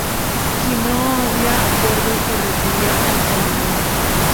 Si no había acuerdo se recurría al Talión.